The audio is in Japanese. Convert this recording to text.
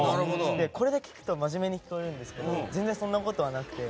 これだけ聞くと真面目に聞こえるんですけど全然、そんなことはなくて。